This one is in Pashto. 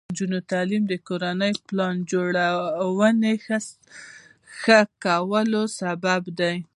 د نجونو تعلیم د کورنۍ پلان جوړونې ښه کولو سبب دی.